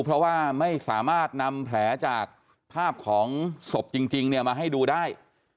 เพราะว่าไม่สามารถนำแผลจากภาพของศพจริงเนี่ยมาให้ดูได้